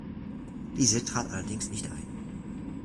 Diese trat allerdings nicht ein.